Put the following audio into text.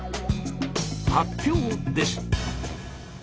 発表です！